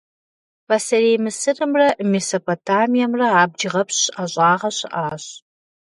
Пасэрей Мысырымрэ Месопотамиемрэ абджгъэпщ ӀэщӀагъэ щыӀащ.